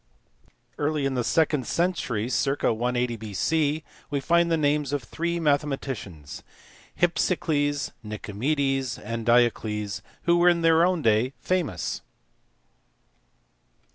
Early in the second century, circ. 180 B.C., we find the names of three mathematicians Hypsicles, Nicomedes, and Diocles who in their own day were famous.